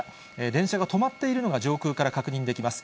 電車が止まっているのが上空から確認できます。